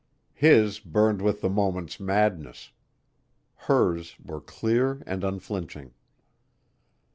His burned with the moment's madness. Hers were clear and unflinching.